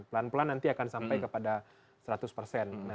pelan pelan nanti akan sampai kepada seratus persen